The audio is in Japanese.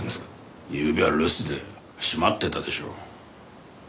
ゆうべは留守で閉まってたでしょ。